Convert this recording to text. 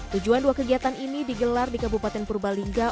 tujuan dua kegiatan ini digelar di kabupaten purbalingga